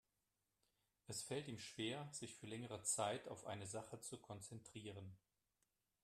Es fällt ihm schwer, sich für längere Zeit auf eine Sache zu konzentrieren.